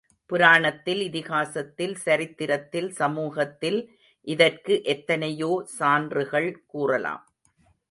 புராணத்தில், இதிகாசத்தில், சரித்திரத்தில், சமூகத்தில் இதற்கு எத்தனையோ சான்றுகள் கூறலாம்.